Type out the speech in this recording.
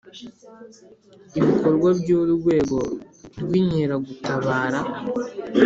Ibikorwa by Urwego rw Inkeragutabara